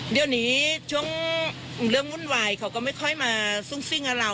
เดี๋ยวนี้ช่วงเรื่องวุ่นวายเขาก็ไม่ค่อยมาซุ่งซิ่งกับเรา